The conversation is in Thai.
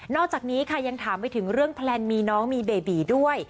อกจากนี้ค่ะยังถามไปถึงเรื่องแพลนมีน้องมีเบบีด้วย